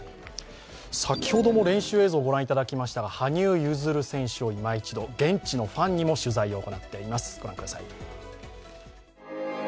先ほども練習映像を御覧いただきましたが、羽生結弦をいま一度、現地のファンにも取材を行っています。